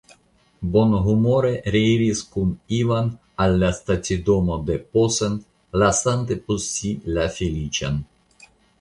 Bonhumore reiris kun Ivan al la stacidomo de Posen, lasante post si la feliĉan.